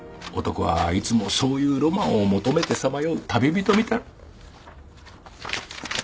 男はいつもそういうロマンを求めてさまよう旅人みたい。